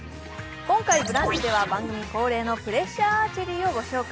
今回「ブランチ」では番組恒例のプレッシャーアーチェリーをご紹介。